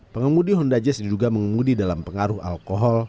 pengemudi honda jazz diduga mengemudi dalam pengaruh alkohol